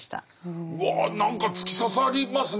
うわ何か突き刺さりますね。